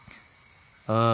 ああ。